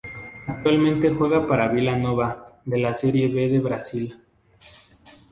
Actualmente juega para Vila Nova de la Serie B de Brasil.